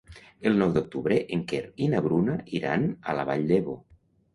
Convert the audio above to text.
El nou d'octubre en Quer i na Bruna iran a la Vall d'Ebo.